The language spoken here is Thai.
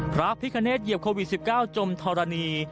พระพิคเนตเหยียบโควิด๑๙จมธรณี